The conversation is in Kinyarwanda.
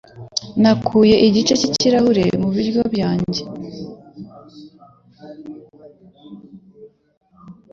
Nakuye igice cy'ikirahure mu biryo byanjye.